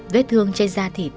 vết thương trên da thịt